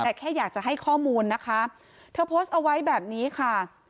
แต่แค่อยากจะให้ข้อมูลนะคะเธอโพสต์เอาไว้แบบนี้ค่ะ